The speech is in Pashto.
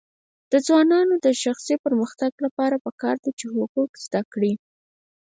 د ځوانانو د شخصي پرمختګ لپاره پکار ده چې حقوق زده کړي.